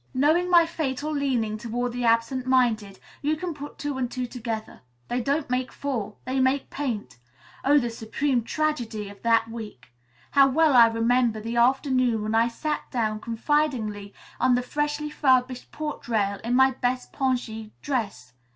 "Knowing my fatal leaning toward the absent minded, you can put two and two together. They don't make four. They make 'paint.' Oh, the supreme tragedy of that week! How well I remember the afternoon when I sat down confidingly on the freshly furbished porch rail in my best pongee dress.